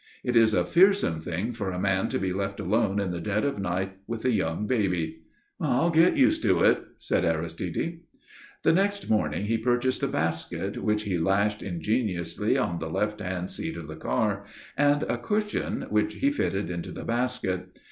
It is a fearsome thing for a man to be left alone in the dead of night with a young baby. "I'll get used to it," said Aristide. The next morning he purchased a basket, which he lashed ingeniously on the left hand seat of the car, and a cushion, which he fitted into the basket.